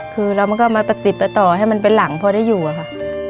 คือเรามันต่อให้มันเป็นหลังพอได้อยู่ค่ะ